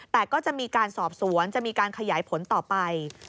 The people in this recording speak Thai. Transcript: แต่ก็จะมีการสอบสวนจะมีการขยายผลต่อไป